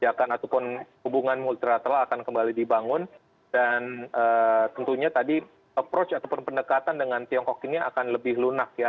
kebijakan ataupun hubungan multilateral akan kembali dibangun dan tentunya tadi approach ataupun pendekatan dengan tiongkok ini akan lebih lunak ya